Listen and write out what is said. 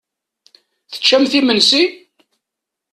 Teččamt imensi?